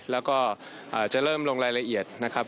แล้วก็จะเริ่มลงรายละเอียดนะครับ